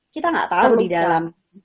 kita nggak tahu di dalam